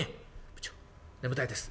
「部長眠たいです。